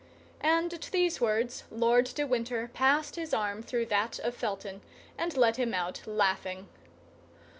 And at these words Lord de Winter passed his arm through that of Felton, and led him out, laughing.